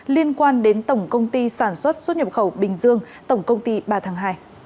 liên quan đến tổng công ty sản xuất xuất nhập khẩu bình dương tổng công ty ba tháng hai